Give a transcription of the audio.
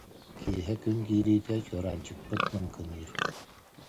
Киэһэ күн киириитэ чуораанчыкпыт лыҥкыныыр.